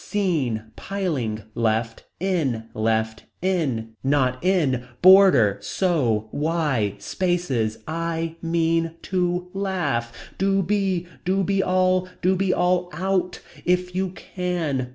Seen Piling. Left. In. Left in. Not in. Border Sew. Why. Spaces. I. Mean. To. Laugh. Do be. Do be all. Do be all out. If you can.